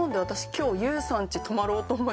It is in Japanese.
今日。